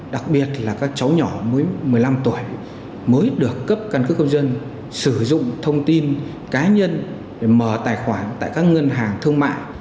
đặc biệt là các cháu nhỏ mới một mươi năm tuổi mới được cấp căn cứ công dân sử dụng thông tin cá nhân để mở tài khoản tại các ngân hàng thương mại